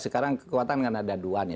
sekarang kekuatan kan ada dua nih